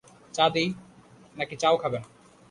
চা দিই, নাকি চা-ও খাবে না?